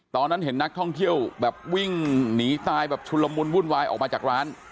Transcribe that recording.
ตอนนั้นเห็นนักท่องเที่ยวแบบวิ่งหนีตายแบบชุนละมุนวุ่นวายออกมาจากร้าน